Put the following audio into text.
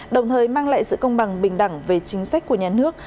đồng thời mang lại sự công bằng bình đẳng về chính sách của nhà nước